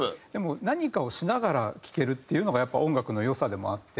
何かをしながら聴けるっていうのがやっぱり音楽の良さでもあって。